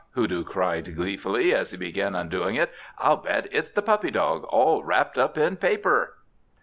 Hoodoo cried gleefully, as he began undoing it. "I'll bet it's the puppy dog, all wrapped up in paper!"